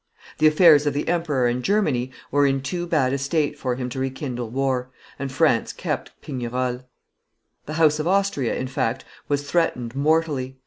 The affairs of the emperor in Germany were in too bad a state for him to rekindle war, and France kept Pignerol. The house of Austria, in fact, was threatened mortally.